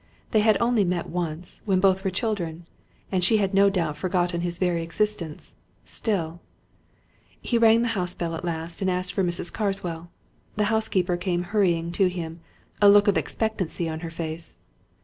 they had only met once, when both were children, and she had no doubt forgotten his very existence. Still He rang the house bell at last and asked for Mrs. Carswell. The housekeeper came hurrying to him, a look of expectancy on her face.